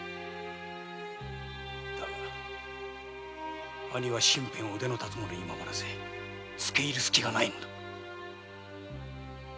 だが兄は身辺を腕の立つ者に守らせつけ入るスキがないのだ。